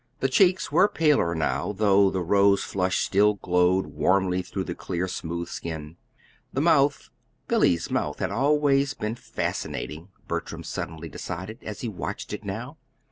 The cheeks were paler now, though the rose flush still glowed warmly through the clear, smooth skin. The mouth Billy's mouth had always been fascinating, Bertram suddenly decided, as he watched it now.